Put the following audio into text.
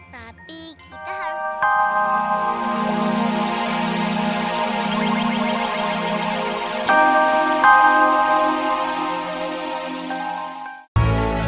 terima kasih pak rt